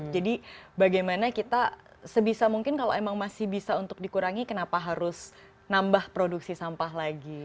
jadi bagaimana kita sebisa mungkin kalau emang masih bisa untuk dikurangi kenapa harus nambah produksi sampah lagi